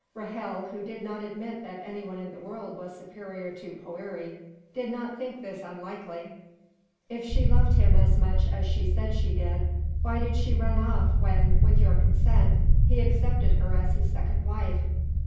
Ra'hel, who did not admit that any one in the world was superior to Poëri, did not think this unlikely. "If she loved him as much as she said she did, why did she run off when, with your consent, he accepted her as his second wife?